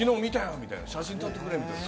みたいな、写真撮ってくれ！みたいな。